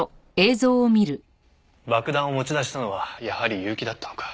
爆弾を持ち出したのはやはり結城だったのか。